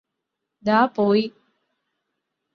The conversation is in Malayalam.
ദാ പോയി